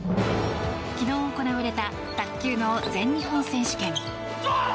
昨日行われた卓球の全日本選手権。